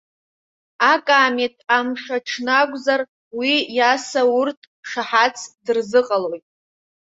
Акаамеҭ амш аҽны акәзар, уи Иаса урҭ шаҳаҭс дырзыҟалоит.